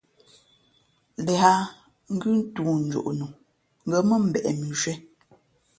Līā ngʉ́ toonjoʼ no, ngα̌ mά mbeʼ mʉnzhwē.